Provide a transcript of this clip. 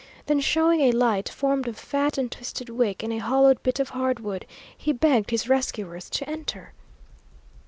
Then, showing a light, formed of fat and twisted wick in a hollowed bit of hardwood, he begged his rescuers to enter.